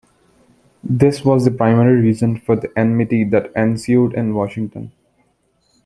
This was the primary reason for the enmity that ensued in Washington.